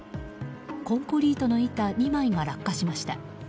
コンクリートの板２枚が落下しました。